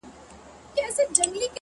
هر وختي ته نـــژدې كـيــږي دا!!